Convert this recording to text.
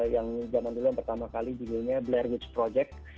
yang zaman dulu pertama kali di dunia blair witch project